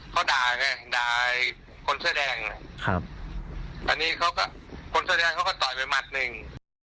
เขาด่าไงด่าคนเสื้อแดงครับอันนี้เขาก็คนเสื้อแดงเขาก็ต่อยไปหมัดหนึ่ง